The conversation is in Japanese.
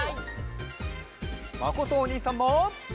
まことおにいさんも。